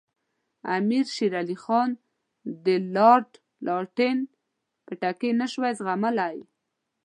امیر شېر علي خان د لارډ لیټن پټکې نه شو زغملای.